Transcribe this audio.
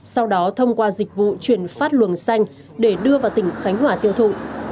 sau đó thông qua dịch vụ chuyển phát luồng xanh để đưa vào tỉnh khánh hòa tiêu thụ